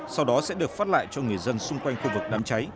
sau đó sẽ được phát lại cho người dân xung quanh khu vực đám cháy